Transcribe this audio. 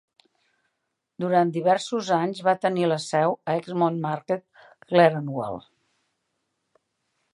Durant diversos anys va tenir la seu a Exmouth Market, Clerkenwell.